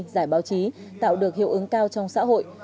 giải báo chí tạo được hiệu ứng cao trong xã hội